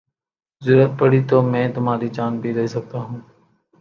ضرورت پڑی تو میں تمہاری جان بھی لے سکتا ہوں